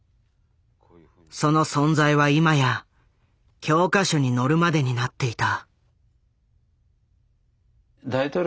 その存在は今や教科書に載るまでになっていた。